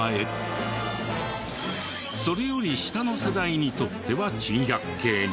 それより下の世代にとっては珍百景に。